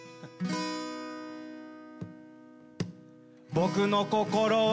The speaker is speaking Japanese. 「僕の心は」